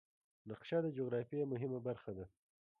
نقشه د جغرافیې مهمه برخه ده.